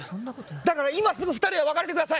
だから今すぐ２人は別れてください！